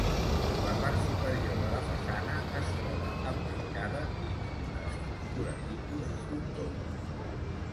La part superior de la façana es troba emmarcada dins una estructura tipus frontó.